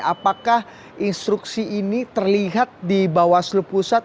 apakah instruksi ini terlihat di bawah seluruh pusat